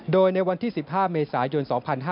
โดยในวันที่๑๕เมษายน๒๕๕๙